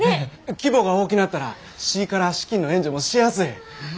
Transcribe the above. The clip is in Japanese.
規模が大きなったら市から資金の援助もしやすい。